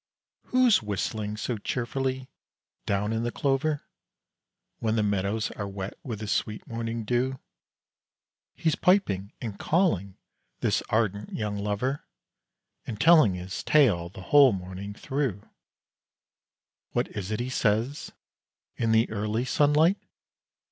Who's whistling so cheerfully down in the clover, When the meadows are wet with the sweet morning dew? He's piping and calling, this ardent young lover, And telling his tale the whole morning through, What is it he says in the early sunlight?